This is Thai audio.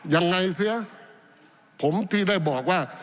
ยังไงเสียผมที่ได้บอกว่า